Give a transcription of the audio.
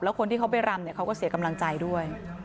คนที่เขาไปรำเขาก็เสียกำลังใจด้วย